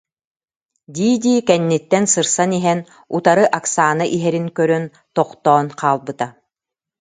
дии-дии кэнниттэн сырсан иһэн, утары Оксана иһэрин көрөн, тохтоон хаалбыта